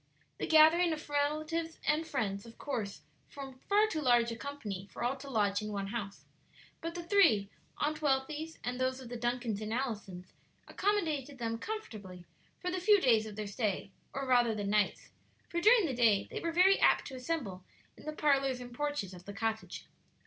The gathering of relatives and friends of course formed far too large a company for all to lodge in one house, but the three Aunt Wealthy's and those of the Duncans and Allisons accommodated them comfortably for the few days of their stay, or rather the nights, for during the day they were very apt to assemble in the parlors and porches of the cottage.